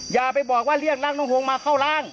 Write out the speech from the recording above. อย่าไปบอกว่าเรียกลังทรงมาเข้าล้าง